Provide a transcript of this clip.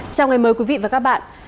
chào ngày mới quý vị và các bạn